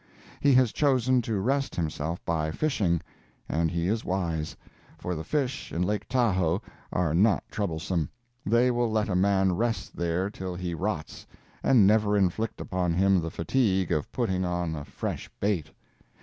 He has chosen to rest himself by fishing, and he is wise; for the fish in Lake Tahoe are not troublesome; they will let a man rest there till he rots, and never inflict upon him the fatigue of putting on a fresh bait.